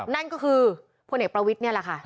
นั่นก็คือพลเอกประวิทย์นี่แหละค่ะ